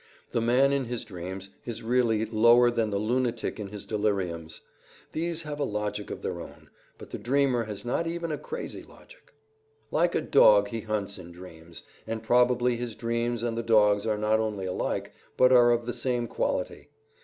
The man in his dreams is really lower than the lunatic in his deliriums. These have a logic of their own; but the dreamer has not even a crazy logic. "Like a dog, he hunts in dreams," and probably his dreams and the dog's are not only alike, but are of the same quality.